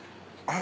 あ。